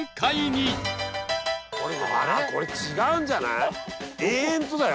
これ違うんじゃない？